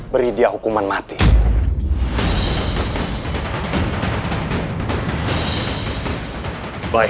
beri dia hukuman mati